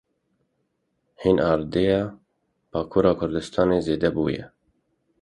Hinardeya Bakurê Kurdistanê zêde bûye.